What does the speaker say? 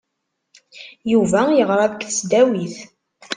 Yuba yeɣra deg tesdawit.